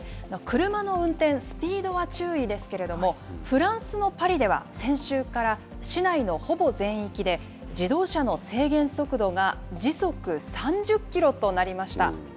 車の運転、スピードは注意ですけれども、フランスのパリでは、先週から市内のほぼ全域で、自動車の制限速度が時速３０キロとなりました。